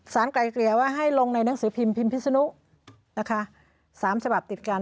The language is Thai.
สารไกล่เกลี่ยให้ลงหนังสือพิมพ์พิษนุ๓ฉบับติดกัน